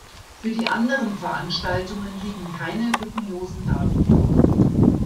Für die anderen Veranstaltungen liegen keine lückenlosen Daten vor.